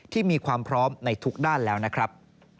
มีความพร้อมในทุกด้านแล้วนะครับ